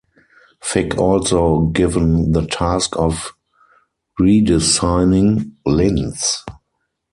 Fick also was given the task of redesigning Linz.